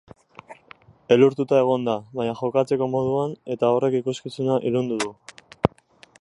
Elurtuta egon da, baina jokatzeko moduan, eta horrek ikuskizuna ilundu du.